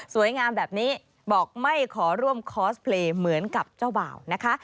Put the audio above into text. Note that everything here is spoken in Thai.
งามแบบนี้บอกไม่ขอร่วมคอสเพลย์เหมือนกับเจ้าบ่าวนะคะ